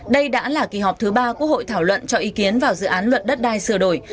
đây đã là kỳ họp thứ ba quốc hội thảo luận cho ý kiến vào dự án luật đất đai sửa đổi